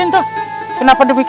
mau dateng ke sini makanya rum ikut